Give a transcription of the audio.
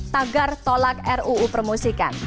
tagar tolak ruu permusikan